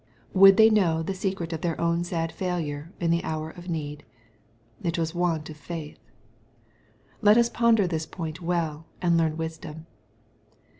Would they know the secret of their own sad failure in the hour of need ? It was want of faith. Let us ponder this point well, and learn wisdom.